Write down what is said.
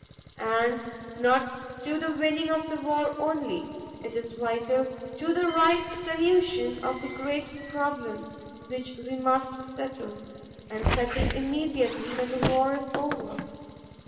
And not to the winning of the war only. It is vital to the right solution of the great problems which we must settle, and settle immediately, when the war is over.